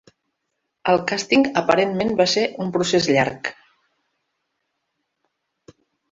El càsting aparentment va ser un procés llarg.